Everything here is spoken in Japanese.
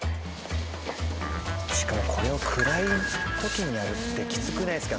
しかもこれを暗い時にやるってきつくないですか？